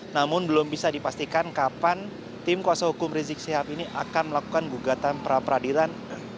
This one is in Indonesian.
namun belum bisa dipastikan kapan tim kuasa hukum rizik sihab ini akan melakukan gugatan pra peradilan